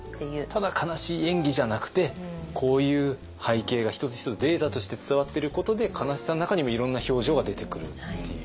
ただ悲しい演技じゃなくてこういう背景が一つ一つデータとして伝わってることで悲しさの中にもいろんな表情が出てくるっていう。